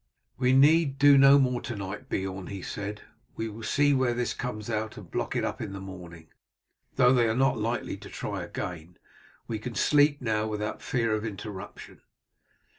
"We need do no more to night, Beorn," he said. "We will see where this comes out and block it up in the morning, though they are not likely to try again. We can sleep now without fear of interruption."